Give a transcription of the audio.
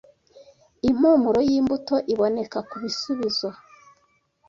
Impumuro yimbuto iboneka kubisubizo